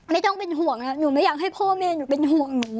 ไม่ต้องเป็นห่วงหนูไม่อยากให้พ่อแม่หนูเป็นห่วงหนู